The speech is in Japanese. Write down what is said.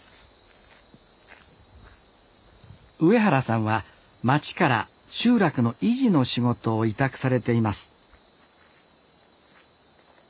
上原さんは町から集落の維持の仕事を委託されています